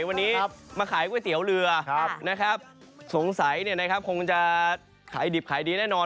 วันนี้มาขายก๋วยเตี๋ยวเรือนะครับสงสัยคงจะขายดิบขายดีแน่นอน